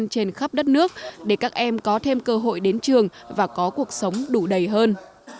và đồng hành khắp đất nước để các em có thêm cơ hội đến trường và có cuộc sống đủ đầy hơn